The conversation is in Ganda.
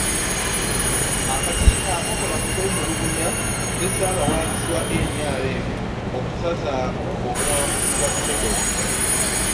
Akakiiko akakola ku kwemulugunya ne Ssaabawandiisi wa NRM okusazaamu obuwanguzi bwa Sodo